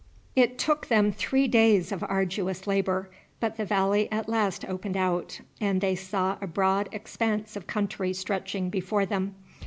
It took them three days of arduous labour; but the valley at last opened out, and they saw a broad expanse of country stretching before them.